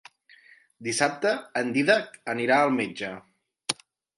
Dissabte en Dídac anirà al metge.